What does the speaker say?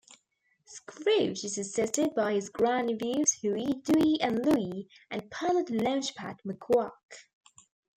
Scrooge is assisted by his grandnephews Huey, Dewey and Louie and pilot Launchpad McQuack.